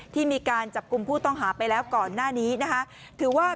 ที่มีการจับกลุ่มผู้ต้องหาไปแล้วก่อนหน้านี้นะคะ